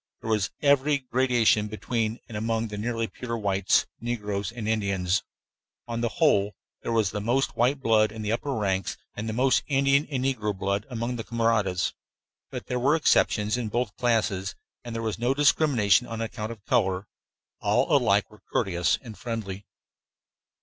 There was every gradation between and among the nearly pure whites, negroes, and Indians. On the whole, there was the most white blood in the upper ranks, and most Indian and negro blood among the camaradas; but there were exceptions in both classes, and there was no discrimination on account of color. All alike were courteous and friendly.